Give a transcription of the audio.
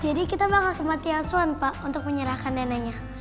jadi kita bakal ke panti asuhan pak untuk menyerahkan dananya